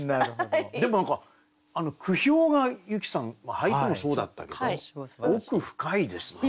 でも何か句評が由紀さん俳句もそうだったけど奥深いですね。